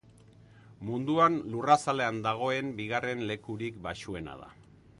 Munduan lurrazalean dagoen bigarren lekurik baxuena da.